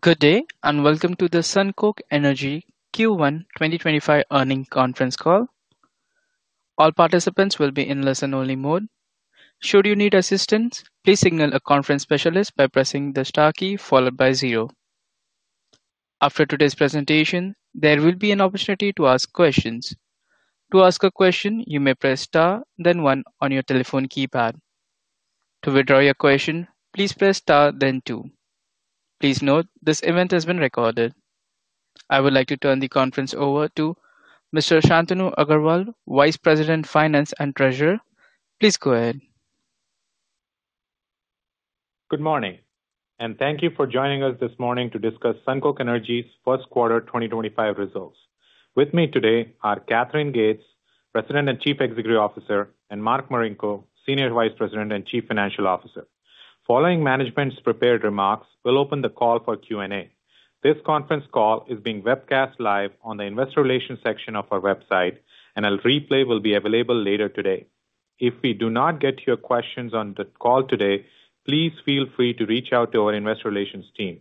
Good day, and welcome to the SunCoke Energy Q1 2025 Earnings Conference Call. All participants will be in listen-only mode. Should you need assistance, please signal a conference specialist by pressing the star key followed by zero. After today's presentation, there will be an opportunity to ask questions. To ask a question, you may press star, then one on your telephone keypad. To withdraw your question, please press star, then two. Please note, this event has been recorded. I would like to turn the conference over to Mr. Shantanu Agrawal, Vice President, Finance and Treasurer. Please go ahead. Good morning, and thank you for joining us this morning to discuss SunCoke Energy's first quarter 2025 results. With me today are Katherine Gates, President and Chief Executive Officer, and Mark Marinko, Senior Vice President and Chief Financial Officer. Following management's prepared remarks, we'll open the call for Q&A. This conference call is being webcast live on the Investor Relations section of our website, and a replay will be available later today. If we do not get to your questions on the call today, please feel free to reach out to our Investor Relations team.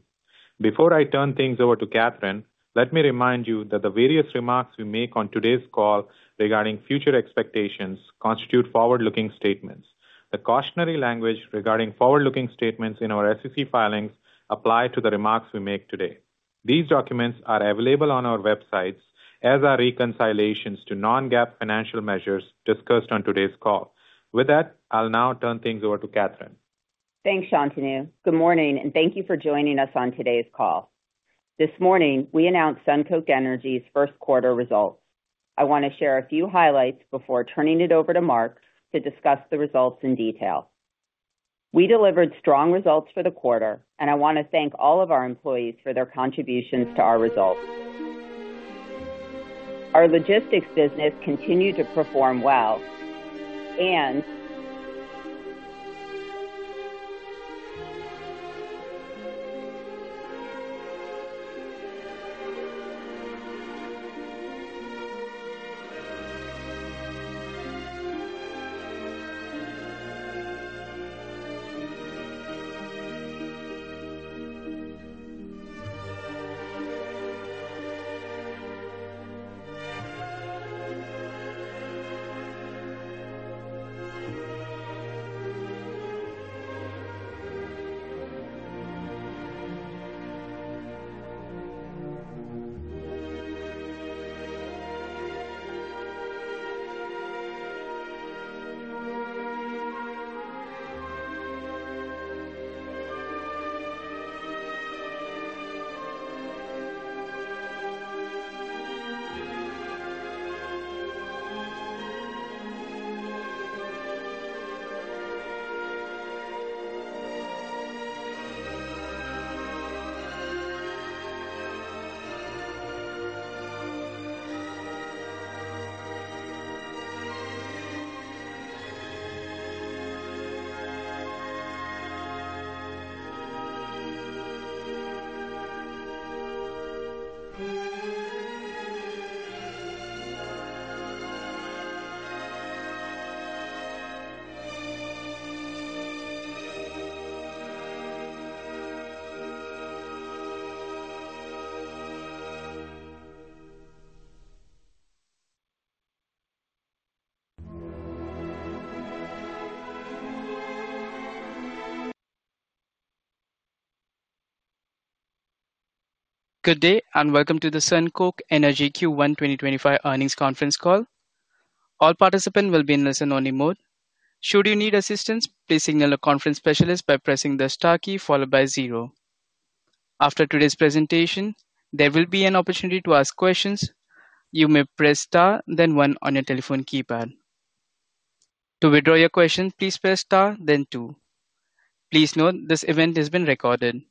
Before I turn things over to Katherine, let me remind you that the various remarks we make on today's call regarding future expectations constitute forward-looking statements. The cautionary language regarding forward-looking statements in our SEC filings applies to the remarks we make today. These documents are available on our websites as are reconciliations to non-GAAP financial measures discussed on today's call. With that, I'll now turn things over to Katherine. Thanks, Shantanu. Good morning, and thank you for joining us on today's call. This morning, we announced SunCoke Energy's first quarter results. I want to share a few highlights before turning it over to Mark to discuss the results in detail. We delivered strong results for the quarter, and I want to thank all of our employees for their contributions to our results. Our logistics business continued to perform well, and Good day, and welcome to the SunCoke Energy Q1 2025 Earnings Conference Call. All participants will be in listen-only mode. Should you need assistance, please signal a conference specialist by pressing the star key followed by zero. After today's presentation, there will be an opportunity to ask questions. You may press star, then one on your telephone keypad. To withdraw your question, please press star, then two. Please note, this event has been recorded.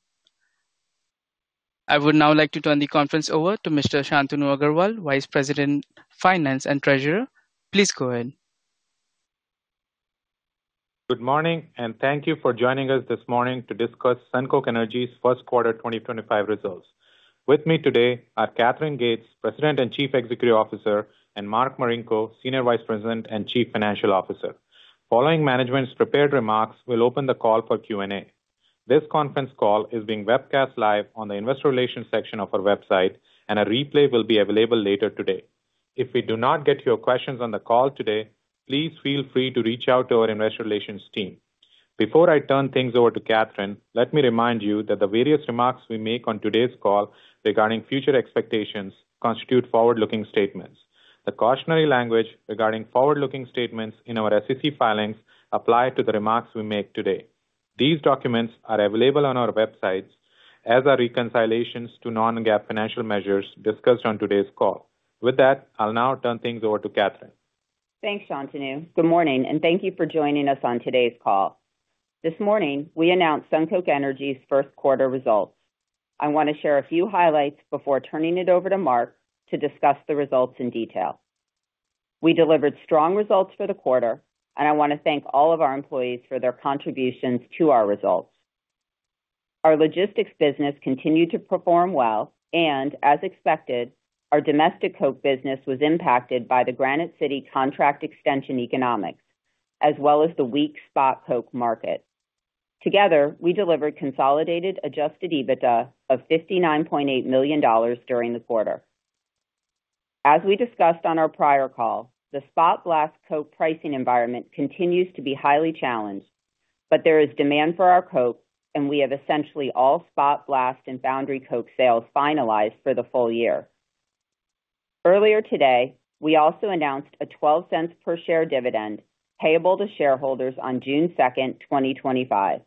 I would now like to turn the conference over to Mr. Shantanu Agrawal, Vice President, Finance and Treasurer. Please go ahead. Good morning, and thank you for joining us this morning to discuss SunCoke Energy's first quarter 2025 results. With me today are Katherine Gates, President and Chief Executive Officer, and Mark Marinko, Senior Vice President and Chief Financial Officer. Following management's prepared remarks, we'll open the call for Q&A. This conference call is being webcast live on the Investor Relations section of our website, and a replay will be available later today. If we do not get to your questions on the call today, please feel free to reach out to our Investor Relations team. Before I turn things over to Katherine, let me remind you that the various remarks we make on today's call regarding future expectations constitute forward-looking statements. The cautionary language regarding forward-looking statements in our SEC filings applies to the remarks we make today. These documents are available on our websites as are reconciliations to non-GAAP financial measures discussed on today's call. With that, I'll now turn things over to Katherine. Thanks, Shantanu. Good morning, and thank you for joining us on today's call. This morning, we announced SunCoke Energy's first quarter results. I want to share a few highlights before turning it over to Mark to discuss the results in detail. We delivered strong results for the quarter, and I want to thank all of our employees for their contributions to our results. Our logistics business continued to perform well, and as expected, our domestic coke business was impacted by the Granite City contract extension economics, as well as the weak spot coke market. Together, we delivered consolidated adjusted EBITDA of $59.8 million during the quarter. As we discussed on our prior call, the spot blast coke pricing environment continues to be highly challenged, but there is demand for our coke, and we have essentially all spot blast and foundry coke sales finalized for the full year. Earlier today, we also announced a $0.12 per share dividend payable to shareholders on June 2, 2025.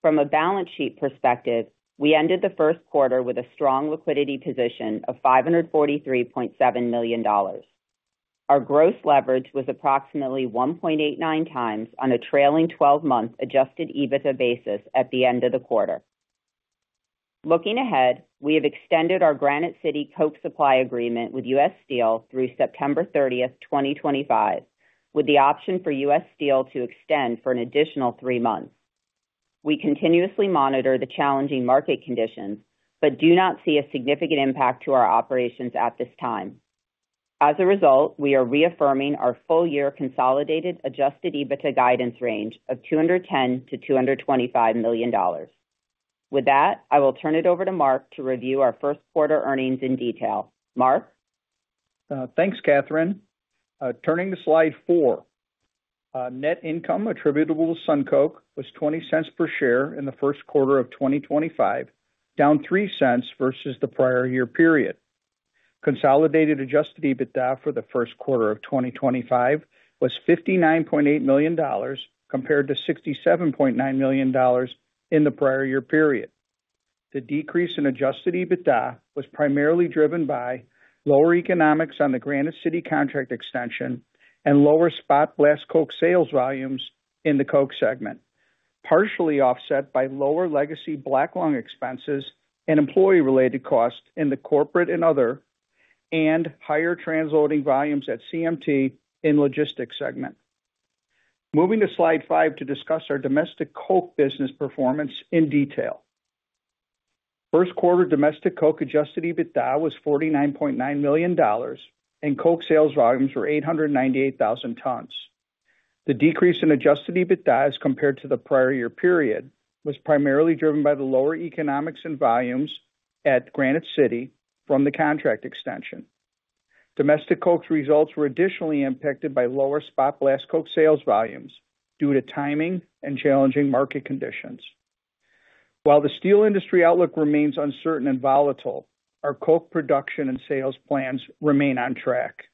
From a balance sheet perspective, we ended the first quarter with a strong liquidity position of $543.7 million. Our gross leverage was approximately 1.89 times on a trailing 12-month adjusted EBITDA basis at the end of the quarter. Looking ahead, we have extended our Granite City coke supply agreement with U.S. Steel through September 30, 2025, with the option for U.S. Steel to extend for an additional three months. We continuously monitor the challenging market conditions, but do not see a significant impact to our operations at this time. As a result, we are reaffirming our full-year consolidated adjusted EBITDA guidance range of $210 million-$225 million. With that, I will turn it over to Mark to review our first quarter earnings in detail. Mark. Thanks, Katherine. Turning to slide four, net income attributable to SunCoke was $0.20 per share in the first quarter of 2025, down $0.03 versus the prior year period. Consolidated adjusted EBITDA for the first quarter of 2025 was $59.8 million compared to $67.9 million in the prior year period. The decrease in adjusted EBITDA was primarily driven by lower economics on the Granite City contract extension and lower spot blast Coke sales volumes in the Coke segment, partially offset by lower legacy Black Lung expenses and employee-related costs in the corporate and other and higher transloading volumes at CMT in logistics segment. Moving to slide five to discuss our domestic Coke business performance in detail. First quarter domestic Coke adjusted EBITDA was $49.9 million, and Coke sales volumes were 898,000 tons. The decrease in adjusted EBITDA as compared to the prior year period was primarily driven by the lower economics and volumes at Granite City from the contract extension. Domestic Coke's results were additionally impacted by lower spot blast Coke sales volumes due to timing and challenging market conditions. While the steel industry outlook remains uncertain and volatile, our Coke production and sales plans remain on track.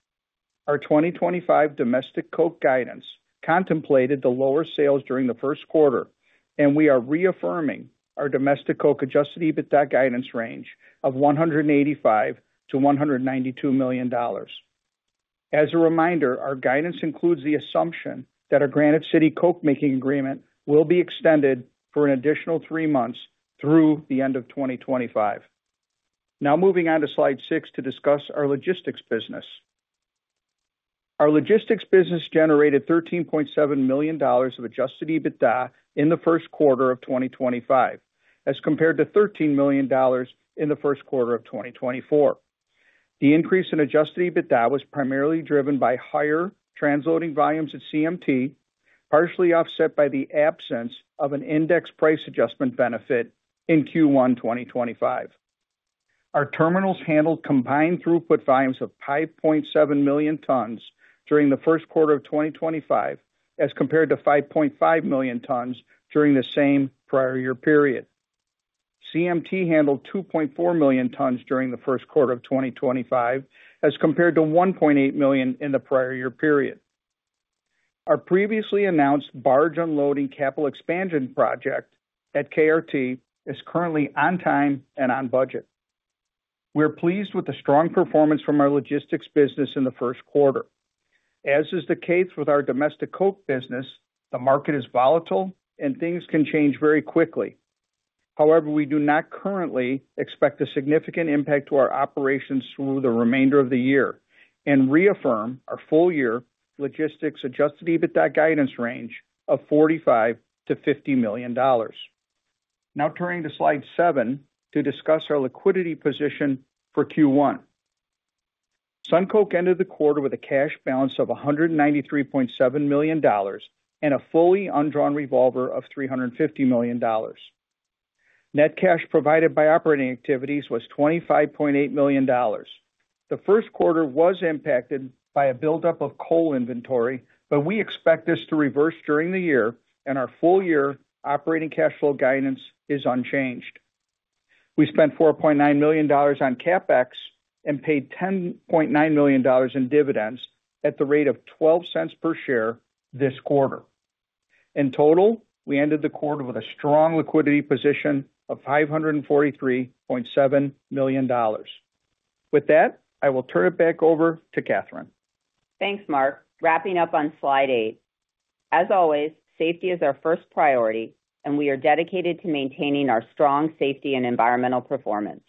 Our 2025 domestic Coke guidance contemplated the lower sales during the first quarter, and we are reaffirming our domestic Coke adjusted EBITDA guidance range of $185 million-$192 million. As a reminder, our guidance includes the assumption that our Granite City Coke making agreement will be extended for an additional three months through the end of 2025. Now moving on to slide six to discuss our logistics business. Our logistics business generated $13.7 million of adjusted EBITDA in the first quarter of 2025, as compared to $13 million in the first quarter of 2024. The increase in adjusted EBITDA was primarily driven by higher transloading volumes at CMT, partially offset by the absence of an index price adjustment benefit in Q1 2025. Our terminals handled combined throughput volumes of 5.7 million tons during the first quarter of 2025, as compared to 5.5 million tons during the same prior year period. CMT handled 2.4 million tons during the first quarter of 2025, as compared to 1.8 million in the prior year period. Our previously announced barge unloading capital expansion project at KRT is currently on time and on budget. We're pleased with the strong performance from our logistics business in the first quarter. As is the case with our domestic coke business, the market is volatile, and things can change very quickly. However, we do not currently expect a significant impact to our operations through the remainder of the year and reaffirm our full-year logistics adjusted EBITDA guidance range of $45 million-$50 million. Now turning to slide seven to discuss our liquidity position for Q1. SunCoke ended the quarter with a cash balance of $193.7 million and a fully undrawn revolver of $350 million. Net cash provided by operating activities was $25.8 million. The first quarter was impacted by a buildup of coal inventory, but we expect this to reverse during the year, and our full-year operating cash flow guidance is unchanged. We spent $4.9 million on CapEx and paid $10.9 million in dividends at the rate of $0.12 per share this quarter. In total, we ended the quarter with a strong liquidity position of $543.7 million. With that, I will turn it back over to Katherine. Thanks, Mark. Wrapping up on slide eight. As always, safety is our first priority, and we are dedicated to maintaining our strong safety and environmental performance.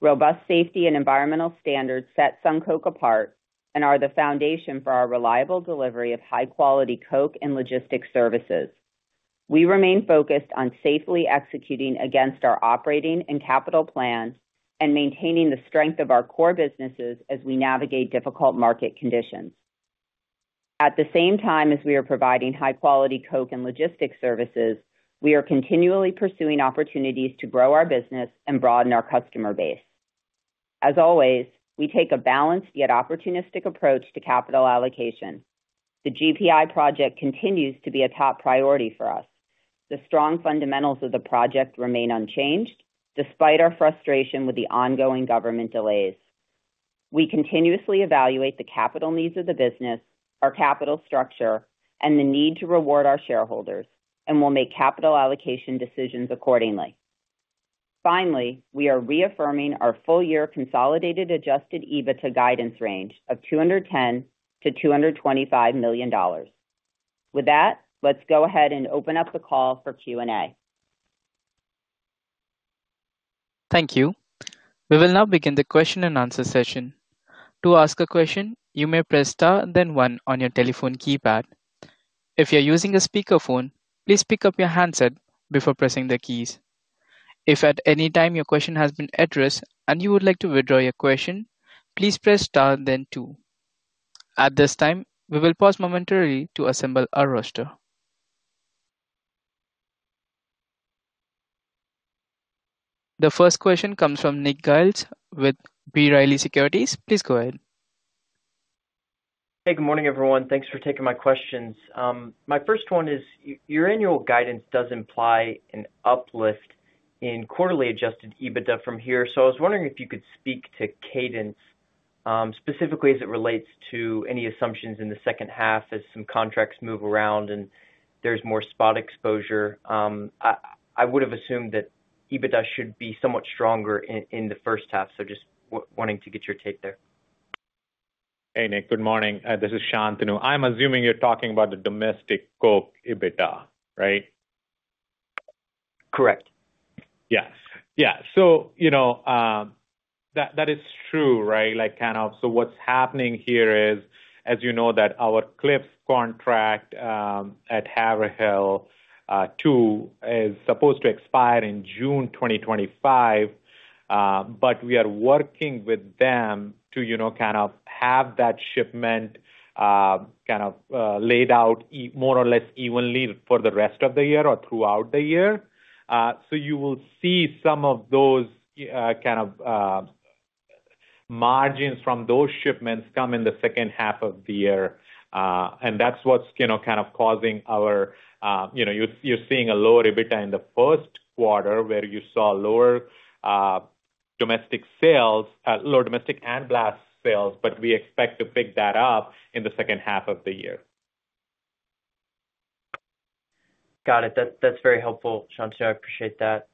Robust safety and environmental standards set SunCoke apart and are the foundation for our reliable delivery of high-quality coke and logistics services. We remain focused on safely executing against our operating and capital plans and maintaining the strength of our core businesses as we navigate difficult market conditions. At the same time as we are providing high-quality coke and logistics services, we are continually pursuing opportunities to grow our business and broaden our customer base. As always, we take a balanced yet opportunistic approach to capital allocation. The GPI project continues to be a top priority for us. The strong fundamentals of the project remain unchanged despite our frustration with the ongoing government delays. We continuously evaluate the capital needs of the business, our capital structure, and the need to reward our shareholders, and we'll make capital allocation decisions accordingly. Finally, we are reaffirming our full-year consolidated adjusted EBITDA guidance range of $210 million-$225 million. With that, let's go ahead and open up the call for Q&A. Thank you. We will now begin the question and answer session. To ask a question, you may press star then one on your telephone keypad. If you're using a speakerphone, please pick up your handset before pressing the keys. If at any time your question has been addressed and you would like to withdraw your question, please press star then two. At this time, we will pause momentarily to assemble our roster. The first question comes from Nick Giles with B. Riley Securities. Please go ahead. Hey, good morning, everyone. Thanks for taking my questions. My first one is your annual guidance does imply an uplift in quarterly adjusted EBITDA from here. I was wondering if you could speak to cadence, specifically as it relates to any assumptions in the second half as some contracts move around and there's more spot exposure. I would have assumed that EBITDA should be somewhat stronger in the first half, just wanting to get your take there. Hey, Nick, good morning. This is Shantanu. I'm assuming you're talking about the domestic Coke EBITDA, right? Correct. Yes. Yeah. That is true, right? Kind of. What is happening here is, as you know, our Cliffs contract at Haverhill II is supposed to expire in June 2025, but we are working with them to kind of have that shipment laid out more or less evenly for the rest of the year or throughout the year. You will see some of those margins from those shipments come in the second half of the year. That is what is causing our, you are seeing a lower EBITDA in the first quarter where you saw lower domestic sales, lower domestic and blast sales, but we expect to pick that up in the second half of the year. Got it. That's very helpful, Shantanu. I appreciate that.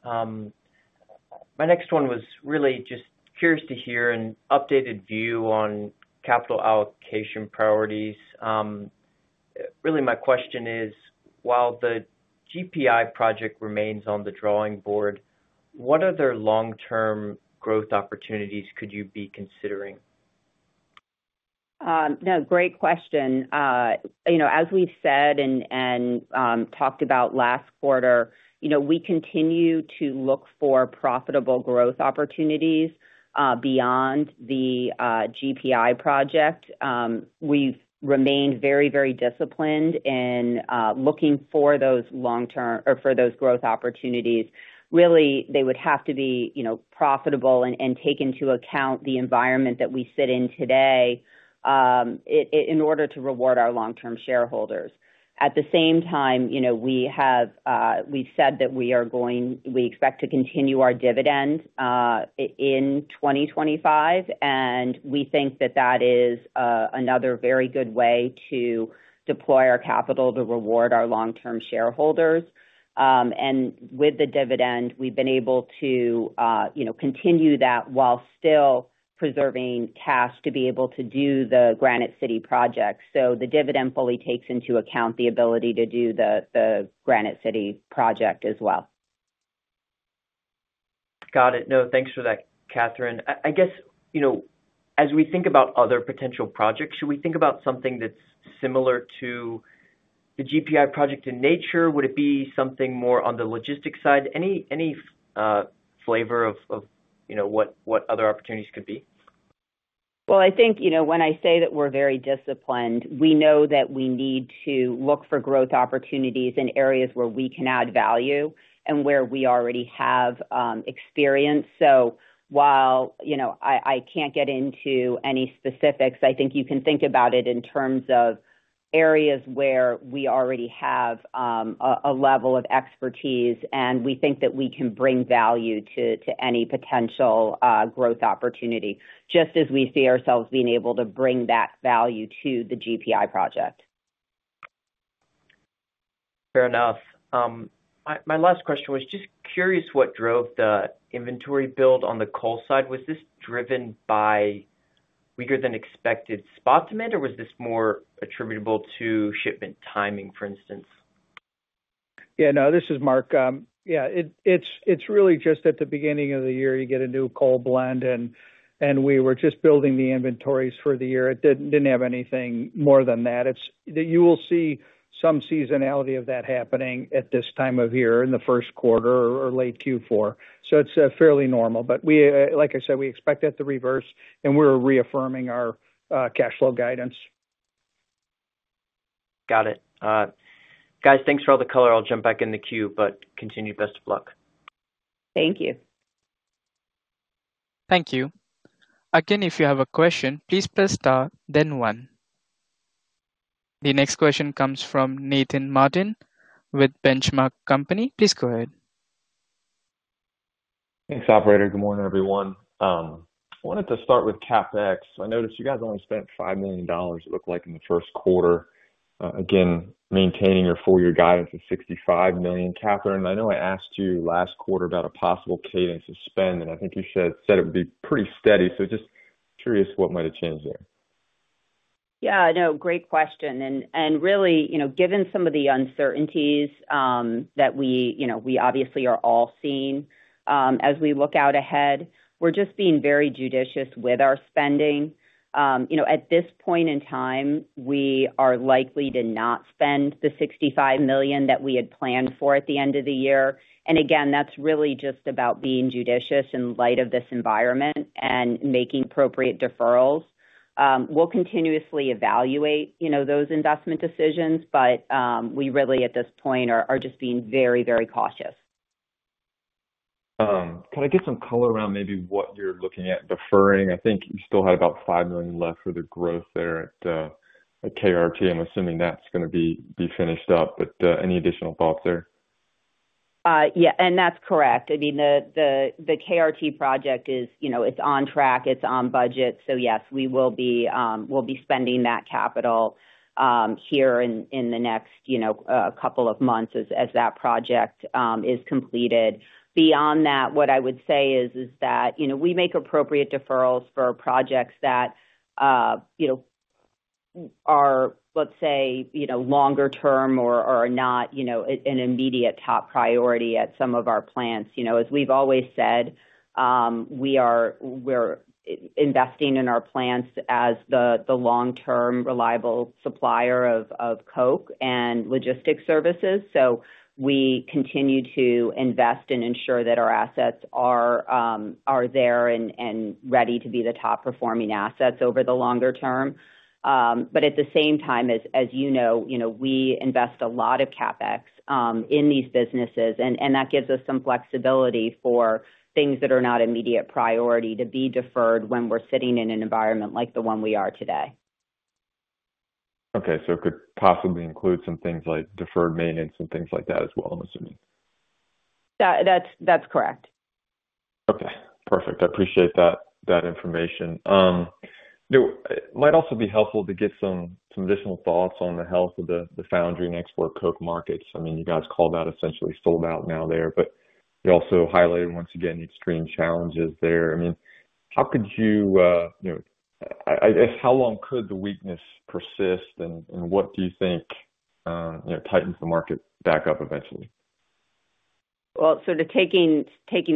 My next one was really just curious to hear an updated view on capital allocation priorities. Really, my question is, while the GPI project remains on the drawing board, what other long-term growth opportunities could you be considering? No, great question. As we've said and talked about last quarter, we continue to look for profitable growth opportunities beyond the GPI project. We've remained very, very disciplined in looking for those long-term or for those growth opportunities. Really, they would have to be profitable and take into account the environment that we sit in today in order to reward our long-term shareholders. At the same time, we have said that we are going we expect to continue our dividend in 2025, and we think that that is another very good way to deploy our capital to reward our long-term shareholders. With the dividend, we've been able to continue that while still preserving cash to be able to do the Granite City project. The dividend fully takes into account the ability to do the Granite City project as well. Got it. No, thanks for that, Katherine. I guess, as we think about other potential projects, should we think about something that's similar to the GPI project in nature? Would it be something more on the logistics side? Any flavor of what other opportunities could be? I think when I say that we're very disciplined, we know that we need to look for growth opportunities in areas where we can add value and where we already have experience. So while I can't get into any specifics, I think you can think about it in terms of areas where we already have a level of expertise, and we think that we can bring value to any potential growth opportunity, just as we see ourselves being able to bring that value to the GPI project. Fair enough. My last question was just curious what drove the inventory build on the coal side. Was this driven by weaker-than-expected spot demand, or was this more attributable to shipment timing, for instance? Yeah, no, this is Mark. Yeah, it's really just at the beginning of the year, you get a new coal blend, and we were just building the inventories for the year. It didn't have anything more than that. You will see some seasonality of that happening at this time of year in the first quarter or late Q4. It's fairly normal. Like I said, we expect that to reverse, and we're reaffirming our cash flow guidance. Got it. Guys, thanks for all the color. I'll jump back in the queue, but continue best of luck. Thank you. Thank you. Again, if you have a question, please press star then one. The next question comes from Nathan Martin with Benchmark Company. Please go ahead. Thanks, operator. Good morning, everyone. I wanted to start with CapEx. I noticed you guys only spent $5 million, it looked like, in the first quarter. Again, maintaining your full-year guidance of $65 million. Katherine, I know I asked you last quarter about a possible cadence of spend, and I think you said it would be pretty steady. Just curious what might have changed there. Yeah, no, great question. Really, given some of the uncertainties that we obviously are all seeing as we look out ahead, we're just being very judicious with our spending. At this point in time, we are likely to not spend the $65 million that we had planned for at the end of the year. Again, that's really just about being judicious in light of this environment and making appropriate deferrals. We'll continuously evaluate those investment decisions, but we really, at this point, are just being very, very cautious. Can I get some color around maybe what you're looking at deferring? I think you still had about $5 million left for the growth there at KRT. I'm assuming that's going to be finished up. Any additional thoughts there? Yeah, and that's correct. I mean, the KRT project is on track. It's on budget. Yes, we will be spending that capital here in the next couple of months as that project is completed. Beyond that, what I would say is that we make appropriate deferrals for projects that are, let's say, longer-term or are not an immediate top priority at some of our plants. As we've always said, we're investing in our plants as the long-term reliable supplier of Coke and logistics services. We continue to invest and ensure that our assets are there and ready to be the top-performing assets over the longer term. At the same time, as you know, we invest a lot of CapEx in these businesses, and that gives us some flexibility for things that are not immediate priority to be deferred when we're sitting in an environment like the one we are today. Okay. It could possibly include some things like deferred maintenance and things like that as well, I'm assuming. That's correct. Okay. Perfect. I appreciate that information. It might also be helpful to get some additional thoughts on the health of the foundry and export Coke markets. I mean, you guys call that essentially sold out now there, but you also highlighted, once again, the extreme challenges there. I mean, how could you, I guess, how long could the weakness persist, and what do you think tightens the market back up eventually? Sort of taking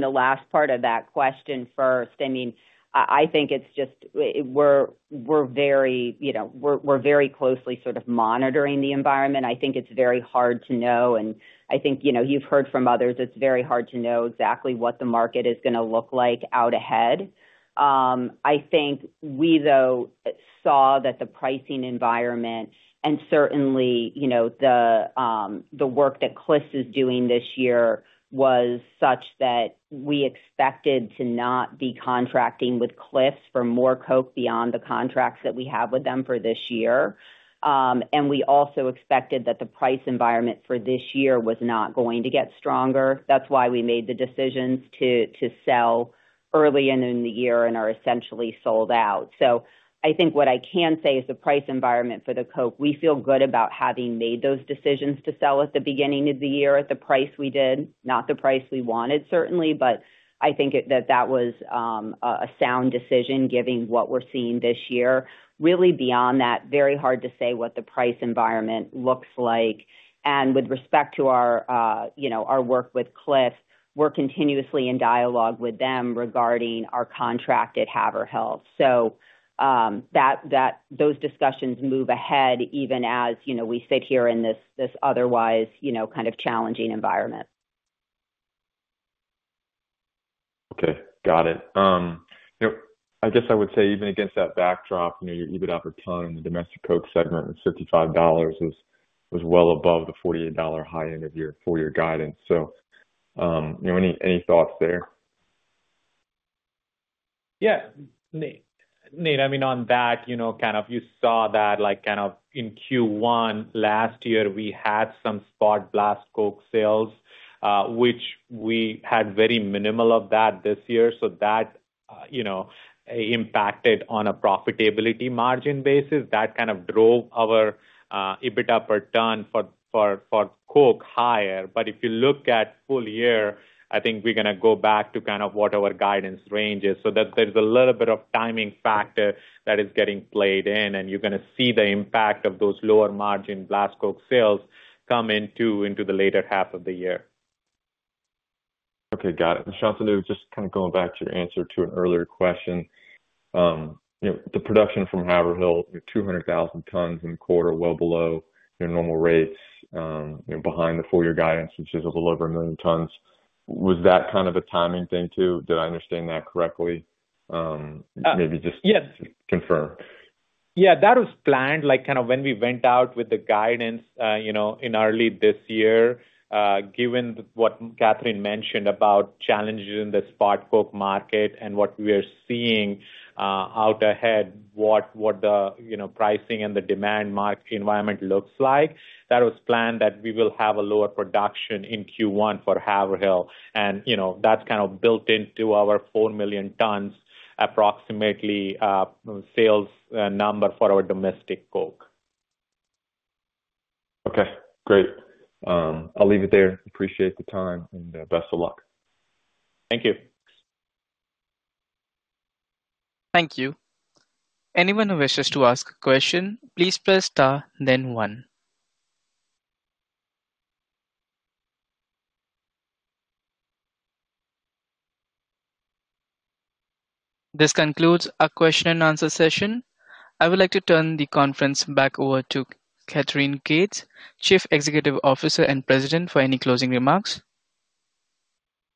the last part of that question first, I mean, I think it's just we're very closely sort of monitoring the environment. I think it's very hard to know. I think you've heard from others, it's very hard to know exactly what the market is going to look like out ahead. I think we, though, saw that the pricing environment and certainly the work that Cliffs is doing this year was such that we expected to not be contracting with Cliffs for more Coke beyond the contracts that we have with them for this year. We also expected that the price environment for this year was not going to get stronger. That's why we made the decisions to sell early in the year and are essentially sold out. I think what I can say is the price environment for the Coke, we feel good about having made those decisions to sell at the beginning of the year at the price we did, not the price we wanted, certainly. I think that that was a sound decision given what we're seeing this year. Really, beyond that, very hard to say what the price environment looks like. With respect to our work with Cliffs, we're continuously in dialogue with them regarding our contract at Haverhill. Those discussions move ahead even as we sit here in this otherwise kind of challenging environment. Okay. Got it. I guess I would say even against that backdrop, your EBITDA per ton in the domestic Coke segment was $55, was well above the $48 high end of your full-year guidance. Any thoughts there? Yeah. Nate, I mean, on that, kind of you saw that kind of in Q1 last year, we had some spot blast Coke sales, which we had very minimal of that this year. That impacted on a profitability margin basis. That kind of drove our EBITDA per ton for Coke higher. If you look at full year, I think we're going to go back to kind of what our guidance range is. There is a little bit of timing factor that is getting played in, and you're going to see the impact of those lower margin blast Coke sales come into the later half of the year. Okay. Got it. Shantanu, just kind of going back to your answer to an earlier question, the production from Haverhill, 200,000 tons in the quarter, well below normal rates, behind the full-year guidance, which is a little over 1 million tons. Was that kind of a timing thing too? Did I understand that correctly? Maybe just confirm. Yeah. That was planned kind of when we went out with the guidance in early this year, given what Katherine mentioned about challenges in the spot Coke market and what we are seeing out ahead, what the pricing and the demand environment looks like. That was planned that we will have a lower production in Q1 for Haverhill. And that's kind of built into our 4 million tons approximately sales number for our domestic Coke. Okay. Great. I'll leave it there. Appreciate the time and best of luck. Thank you. Thank you. Anyone who wishes to ask a question, please press star then one. This concludes our question and answer session. I would like to turn the conference back over to Katherine Gates, Chief Executive Officer and President, for any closing remarks.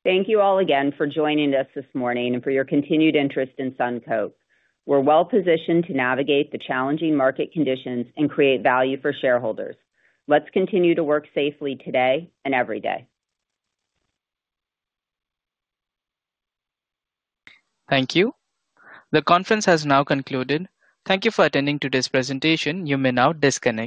Thank you all again for joining us this morning and for your continued interest in SunCoke. We're well positioned to navigate the challenging market conditions and create value for shareholders. Let's continue to work safely today and every day. Thank you. The conference has now concluded. Thank you for attending today's presentation. You may now disconnect.